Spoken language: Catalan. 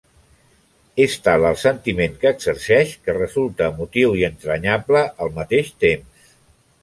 És tal el sentiment que exerceix que resulta emotiu i entranyable al mateix temps.